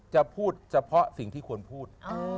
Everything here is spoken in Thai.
จะพูดเฉพาะสิ่งที่ควรพูด